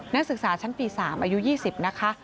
นักศึกษาชั้นปี๓อายุ๒๐นะคะ